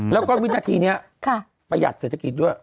แล้วก็วินาทีนี้ประหยัดเศรษฐกิจด้วย